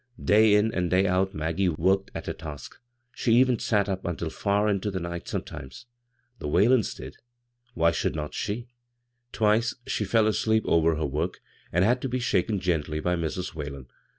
Day in and day out Maggie worked at her ii8 bvGoog[c CROSS CURRENTS task. She even sat up until far into the nigtit sometimes. The Whalens did — why should not she ? Twice she fell asleep over her work and had to be shaken gently by Mrs. Whalen.